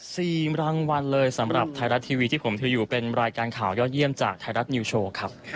สี่รางวัลเลยสำหรับไทยรัฐทีวีที่ผมถืออยู่เป็นรายการข่าวยอดเยี่ยมจากไทยรัฐนิวโชว์ครับ